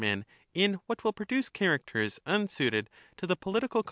men in what will produce characters unsuited to the political ^^J^^w.